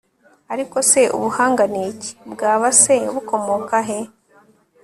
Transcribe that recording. ariko se ubuhanga ni iki? bwaba se bukomoka he